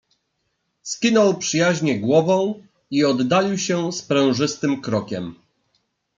"Skinął przyjaźnie głową i oddalił się sprężystym krokiem."